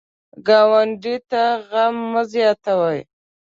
ګاونډي ته غم مه زیاتوئ